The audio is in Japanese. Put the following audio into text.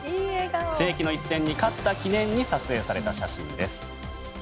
世紀の一戦に勝った記念に撮影された写真です。